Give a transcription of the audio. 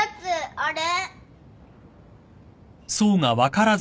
あれ。